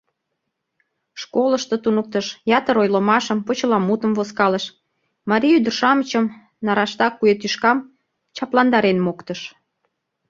Школышто туныктыш, ятыр ойлымашым, почеламутым возкалыш, марий ӱдыр-шамычым, нарашта куэ тӱшкам, чапландарен моктыш.